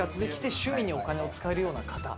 趣味にお金を使えるような方。